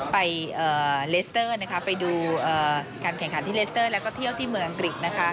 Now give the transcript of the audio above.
ไปเลสเตอร์ไปดูการแข่งขันที่เลสเตอร์แล้วก็เที่ยวที่เมืองอังกฤษ